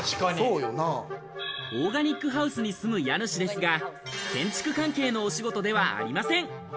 オーガニックハウスに住む家主ですが、建築関係のお仕事ではありません。